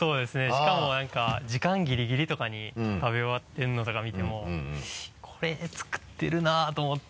しかも何か時間ギリギリとかに食べ終わってるのとか見てもこれ作ってるなと思って。